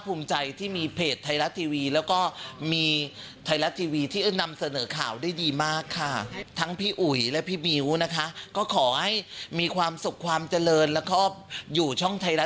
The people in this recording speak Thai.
พูดถึงรายการของเราด้วยเดี๋ยวลองฟังดูค่ะ